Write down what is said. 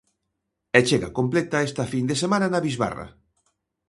E chega completa esta fin de semana na bisbarra.